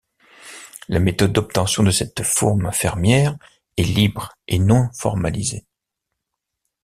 La méthode d'obtention de cette fourme fermière est libre et non formalisée.